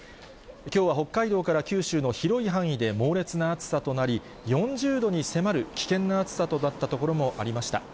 きょうは北海道から九州の広い範囲で猛烈な暑さとなり、４０度に迫る危険な暑さとなった所もありました。